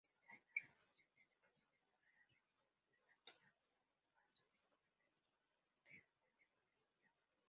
Ese año renunció —era presidente de la Legislatura— para asumir como Intendente de Policía.